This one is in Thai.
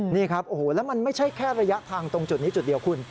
นี่ครับโอ้โหแล้วมันไม่ใช่แค่ระยะทางตรงจุดนี้จุดเดียวคุณ